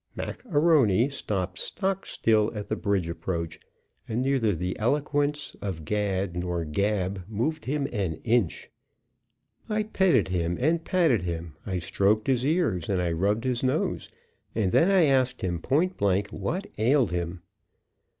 Mac A'Rony stopped stock still at the bridge approach, and neither the eloquence of gad nor gab moved him an inch. I petted him and patted him; I stroked his ears and I rubbed his nose; and then I asked him point blank what ailed him.